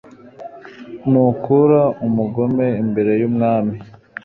nukura umugome imbere y’umwami